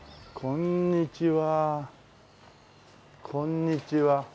こんにちは。